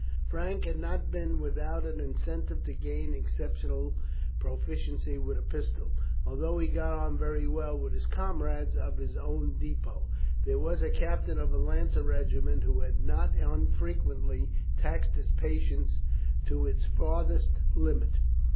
Frank had not been without an incentive to gain exceptional proficiency with a pistol. Although he got on very well with his comrades of his own depôt, there was a captain of a lancer regiment who had not unfrequently taxed his patience to its farthest limit.